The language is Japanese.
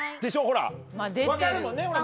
ほら分かるもんね。